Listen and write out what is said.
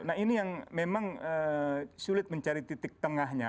nah ini yang memang sulit mencari titik tengahnya